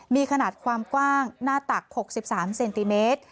มีขนาดความกว้างหน้าตัก๖๓เซนติเมตร